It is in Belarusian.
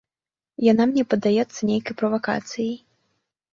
Яна мне падаецца нейкай правакацыяй.